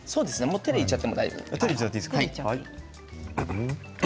手でいっちゃって大丈夫ですよ。